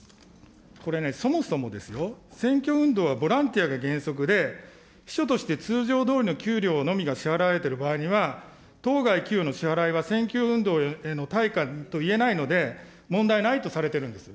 これね、そもそもですよ、選挙運動はボランティアが原則で、秘書として通常どおりの給料のみが支払われている場合には、当該給与の支払いは選挙運動への対価といえないので、問題ないとされているんです。